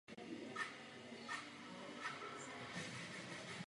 Není náhoda, že se v tomto ohledu všechny předpisy shodují.